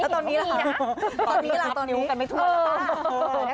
ตอนนี้ล่ะตอนนี้ล่ะ